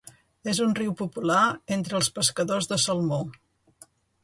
És un riu popular entre els pescadors de salmó.